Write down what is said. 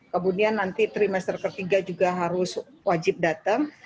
kemudian nanti trimester ketiga juga harus wajib datang